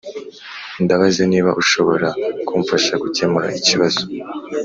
ndabaza niba ushobora kumfasha gukemura ikibazo.